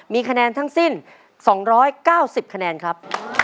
มีคะแนนทั้งสิ้น๒๙๐คะแนนครับ